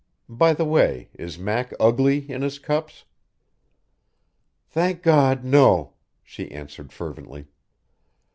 By the way, is Mac ugly in his cups?" "Thank God, no," she answered fervently.